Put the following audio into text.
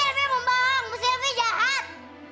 bu silvi membohong bu silvi jahat